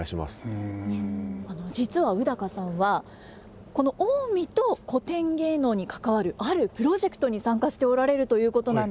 実は宇さんはこの近江と古典芸能に関わるあるプロジェクトに参加しておられるということなんですよ。